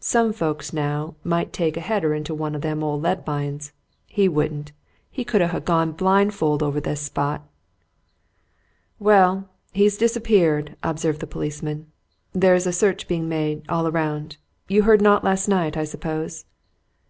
Some folks, now, might take a header into one o' them old lead mines. He wouldn't. He could ha' gone blind fold over this spot." "Well he's disappeared," observed the policeman. "There's a search being made, all round. You heard naught last night, I suppose?"